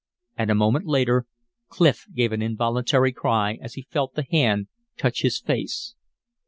And a moment later Clif gave an involuntary cry as he felt the hand touch his face.